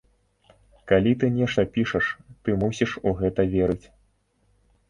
Калі ты нешта пішаш, ты мусіш у гэта верыць.